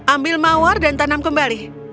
ambil mawar dan tanam kembali